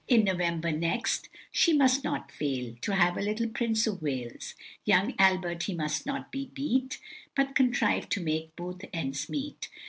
In November next she must not fail But have a little Prince of Wales, Young Albert he must not be beat, But contrive to make both ends meet.